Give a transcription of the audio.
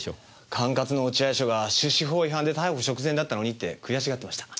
管轄の落合署が出資法違反で逮捕直前だったのにって悔しがってました。